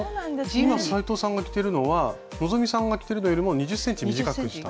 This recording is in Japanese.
今斉藤さんが着てるのは希さんが着てるのよりも２０ｃｍ短くした。